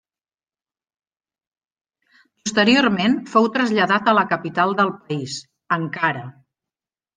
Posteriorment fou traslladat a la capital del país, Ankara.